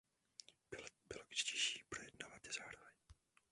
Bylo by logičtější projednávat je zároveň.